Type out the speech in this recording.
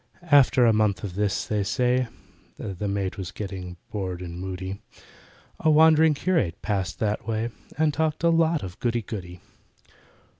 After a month of this, they say (The maid was getting bored and moody) A wandering curate passed that way And talked a lot of goody goody.